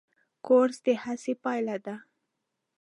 کورس د هڅې پایله ده.